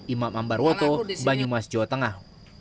imam ambar woto banyumas jawa tengah